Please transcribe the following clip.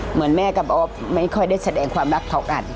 เหมือนแม่กับออฟไม่ค่อยได้แสดงความรักเท่ากัน